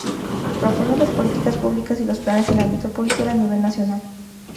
Proponer las políticas públicas y los planes en el ámbito policial a nivel nacional.